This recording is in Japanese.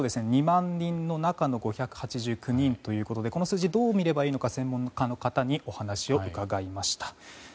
２万人の中の５８９人ということでこの数字、どう見ればいいのか専門家の方にお話を伺いました。